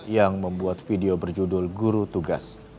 yang membuat video berjudul guru tugas